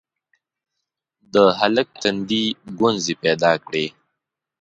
د هلک تندي ګونځې پيدا کړې: